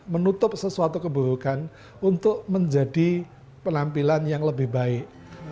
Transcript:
menutup sesuatu keburukan untuk menjadi penampilan yang lebih baik